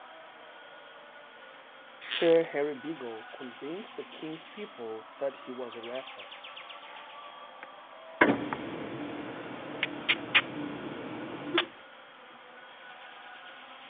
Sir Harry Beagle convinced the King's people that he was a rattler.